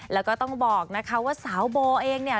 แล้วก็ต้องบอกนะคะว่าสาวโบเองเนี่ย